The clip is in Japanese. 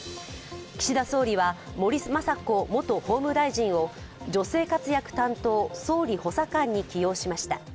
岸田総理は森まさこ元法務大臣を女性活躍担当・総理補佐官に起用しました。